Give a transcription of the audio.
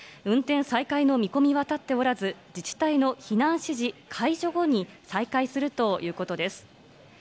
運転再開の見込みは立っておらず、自治体の避難指示解除後に再開するということです。